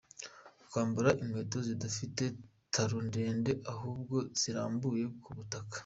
Kwambara inkweto zidafite taro ndende ahubwo zirambuye ku butaka.